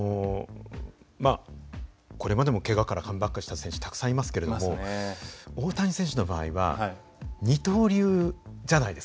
これまでもけがからカムバックした選手たくさんいますけれども大谷選手の場合は二刀流じゃないですか。